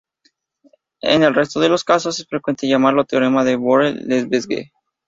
En el resto de los casos, es frecuente llamarlo "Teorema de Borel-Lebesgue".